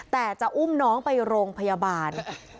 แต่จะอุ้มน้องไปโรงพยาบาล